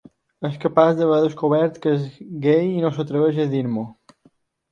És capaç d'haver descobert que és gai i no s'atreveix a dir-m'ho.